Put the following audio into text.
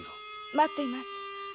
待ってます。